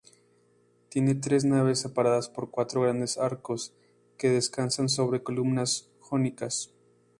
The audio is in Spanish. Tiene tres naves separadas por cuatro grandes arcos que descansan sobre columnas jónicas.